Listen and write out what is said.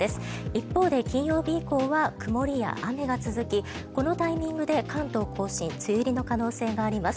一方で、金曜日以降は曇りや雨が続きこのタイミングで関東・甲信梅雨入りの可能性があります。